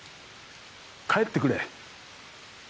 帰ってくれ。